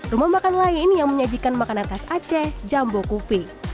rumah makan lain yang menyajikan makanan tas aceh jambokupi